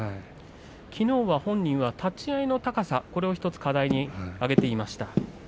きのうは本人は立ち合いの高さ、これを１つ課題に挙げていました。